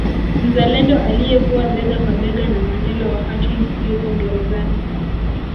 Mzalendo aliyekuwa bega kwa bega na Mandela wakati yuko gerezani